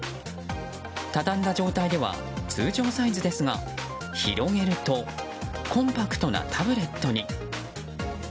畳んだ状態では通常サイズですが広げるとコンパクトなタブレットに。